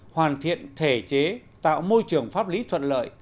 hoàn thiện thể chế tạo môi trường pháp lý thuận lợi